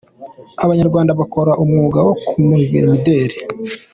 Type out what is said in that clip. Abanyarwanda bakora umwuga wo kumurika imideli.